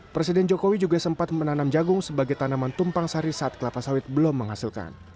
presiden jokowi juga sempat menanam jagung sebagai tanaman tumpang sari saat kelapa sawit belum menghasilkan